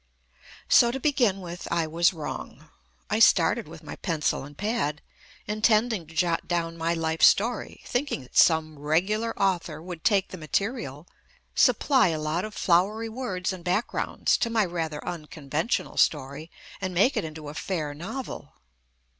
So to begin with I was wrong. I started with my pencil and pad intending to jot down my life story, thinking that some regular au thor would take the material, supply a lot of flowery words and backgrounds to my rather unconventional story and make it into a fair novel.